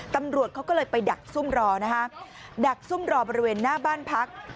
ตำรวจเขาก็เลยไปดักซุ่มรอนะฮะดักซุ่มรอบริเวณหน้าบ้านพัก